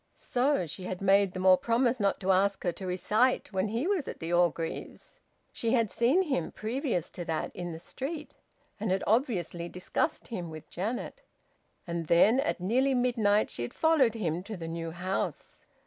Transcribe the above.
So she had made them all promise not to ask her to recite while he was at the Orgreaves'! She had seen him, previous to that, in the street, and had obviously discussed him with Janet... And then, at nearly midnight, she had followed him to the new house!